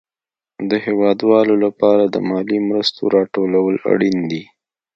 د هېوادوالو لپاره د مالي مرستو راټول اړين دي.